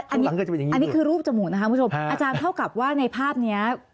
อันนี้คือรูปจมูกนะคะผู้ชมอาจารย์เข้ากับว่าในภาพนี้